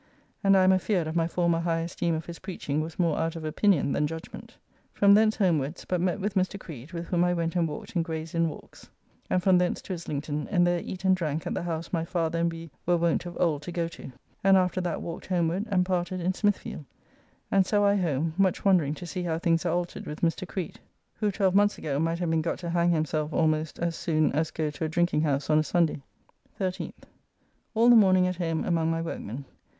And I am afeard my former high esteem of his preaching was more out of opinion than judgment. From thence homewards, but met with Mr. Creed, with whom I went and walked in Grayes Inn walks, and from thence to Islington, and there eat and drank at the house my father and we were wont of old to go to; and after that walked homeward, and parted in Smithfield: and so I home, much wondering to see how things are altered with Mr. Creed, who, twelve months ago, might have been got to hang himself almost as soon as go to a drinking house on a Sunday. 13th. All the morning at home among my workmen.